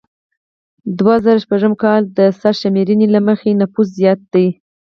د دوه زره شپږم کال د سرشمیرنې له مخې یې نفوس زیات دی